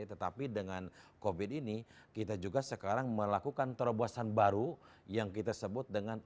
tetapi dengan covid sembilan belas ini kita juga sekarang melakukan terobosan baru yang kita sebut dengan to web